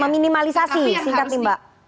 meminimalisasi singkatnya mbak